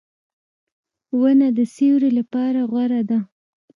• ونه د سیوری لپاره غوره ده.